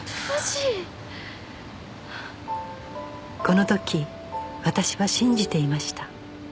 この時私は信じていました